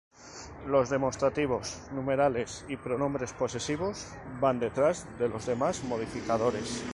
Los demostrativos, numerales y pronombres posesivos van detrás de los demás modificadores.